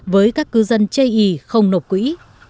với các cư dân chê y không nộp quỹ